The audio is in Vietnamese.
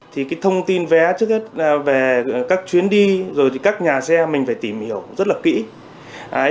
thông tin vé trước hết về các chuyến đi các nhà xe mình phải tìm hiểu rất là kỹ